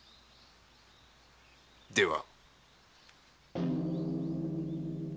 では。